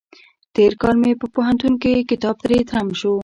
تېر کال مې په پوهنتون کې کتاب تری تم شو.